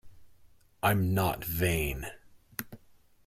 I'm not vain.